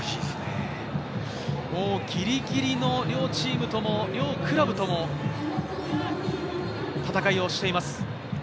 もうギリギリの両チームとも、両クラブとも戦いをしています。